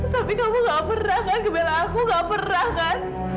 tapi kamu nggak pernah kan ngebela aku nggak pernah kan